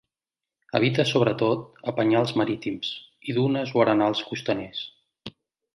Habita sobretot a penyals marítims i dunes o arenals costaners.